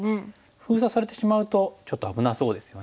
封鎖されてしまうとちょっと危なそうですよね。